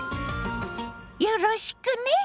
よろしくね！